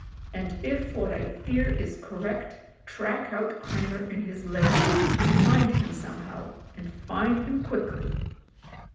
And if what I fear is correct, track out Cremer in his lair — ^find him somehow and find him quickly."